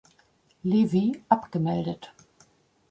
Levi, abgemeldet.